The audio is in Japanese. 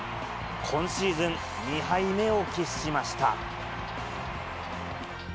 今シーズン２敗目を喫しました。